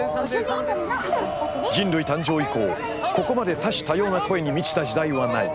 人類誕生以降ここまで多種多様な声に満ちた時代はない。